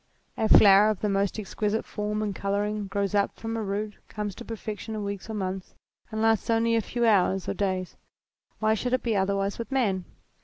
A flower of the most exquisite form and colouring grows up from a root, comes to perfection in weeks or months, and lasts only a few hours or days. Why should it be otherwise with man